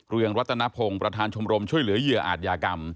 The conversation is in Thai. เรืองรัตนพงศ์ประธานชมรมช่วยเหลือเหยื่ออาจยากรรม